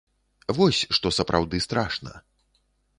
Вось што сапраўды страшна.